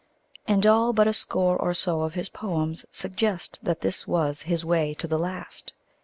And all but a score or so of his poems suggest that this was his way to the last.